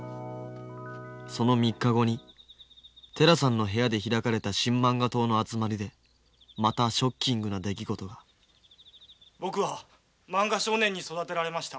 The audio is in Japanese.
その３日後に寺さんの部屋で開かれた新漫画党の集まりでまたショッキングな出来事が僕は「漫画少年」に育てられました。